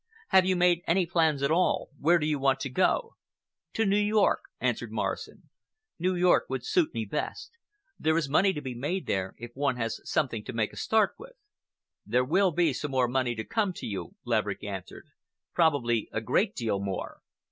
Have you made any plans at all? Where do you want to go?" "To New York," answered Morrison; "New York would suit me best. There is money to be made there if one has something to make a start with." "There will be some more money to come to you," Laverick answered, "probably a great deal more.